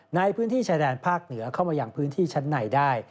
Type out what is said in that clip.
ในพื้นที่ชายแดนภาคเหนือเข้ามาอย่างพื้นที่ชั้นในได้